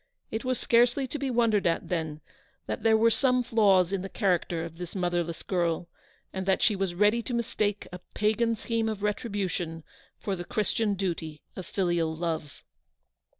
It was scarcely to be wondered at, then, that there were some flaws in the cha racter of this motherless girl, and that she was ready to mistake a pagan scheme of retribution for the Christian duty of filial love.